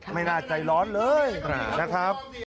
ไม่น่าใจร้อนเลยนะครับ